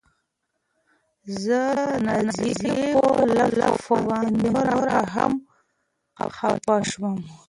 زه د نازيې په لافو باندې نوره هم خپه شوم.